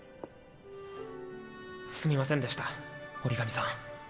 すみませんでした折紙さん。